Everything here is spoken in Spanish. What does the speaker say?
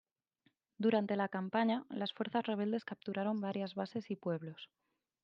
Durante la campaña, las fuerzas rebeldes capturaron varias bases y pueblos.